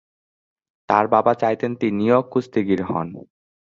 তার বাবা চাইতেন তিনিও কুস্তিগীর হন।